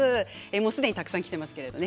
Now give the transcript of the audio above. すでに、たくさんきていますけれどもね。